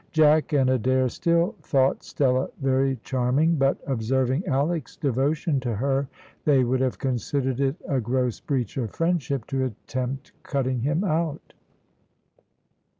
Jack and Adair still thought Stella very charming, but, observing Alick's devotion to her, they would have considered it a gross breach of friendship to attempt cutting him out.